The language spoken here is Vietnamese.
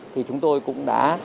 thì chúng tôi cũng đã